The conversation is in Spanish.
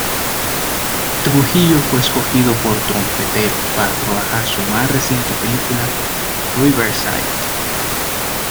Trujillo fue escogido por Trompetero para trabajar su más reciente película "Riverside".